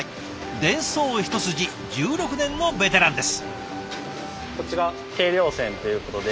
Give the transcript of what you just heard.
電装一筋１６年のベテランです。